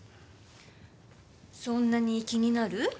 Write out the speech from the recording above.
そんなに気になる？